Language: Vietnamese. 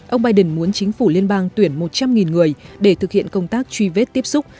ông biden muốn chính phủ liên bang tuyển một trăm linh người để thực hiện công tác truy vết tiếp xúc